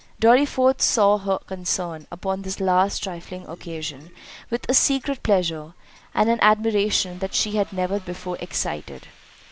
Dorriforth saw her concern upon this last trifling occasion with a secret pleasure, and an admiration that she had never before excited.